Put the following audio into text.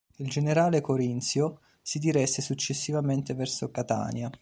Il generale corinzio si diresse successivamente verso Catania.